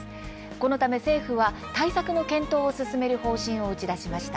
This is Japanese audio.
このため、政府は対策の検討を進める方針を打ち出しました。